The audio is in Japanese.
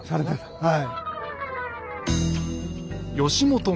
はい。